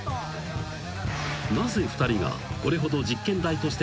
［なぜ２人がこれほど実験台として重宝されるのか？］